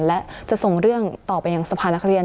และจะส่งเรื่องต่อไปยังสภานักเรียน